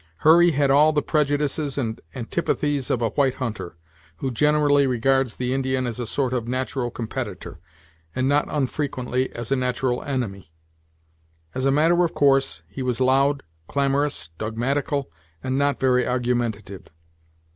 Hurry had all the prejudices and antipathies of a white hunter, who generally regards the Indian as a sort of natural competitor, and not unfrequently as a natural enemy. As a matter of course, he was loud, clamorous, dogmatical and not very argumentative.